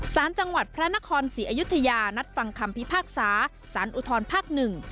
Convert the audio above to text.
สารจังหวัดพระนครศรีอยุธยานัดฟังคำพิพากษาสารอุทธรภาคหนึ่ง